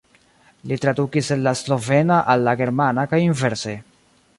Li tradukis el la slovena al la germana kaj inverse.